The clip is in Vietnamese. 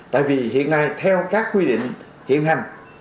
tại vì hiện nay theo các quy định hiện hành